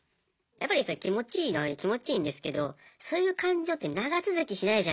やっぱりですね気持ちいいのは気持ちいいんですけどそういう感情って長続きしないじゃないですか。